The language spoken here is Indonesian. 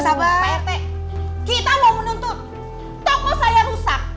sama pak rt kita mau menuntut toko saya rusak